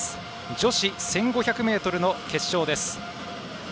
女子１５００ｍの決勝です。